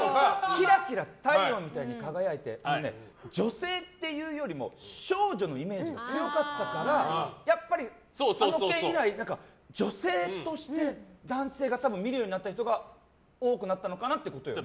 キラキラ太陽みたいに輝いて女性っていうよりも少女のイメージが強かったからやっぱり、あの件以来女性として男性が見るようになった人が多くなったのかなということよね。